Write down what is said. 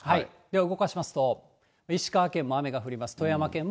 動かしますと、石川県も雨が降ります。